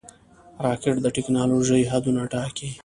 راکټ د ټېکنالوژۍ حدونه ټاکي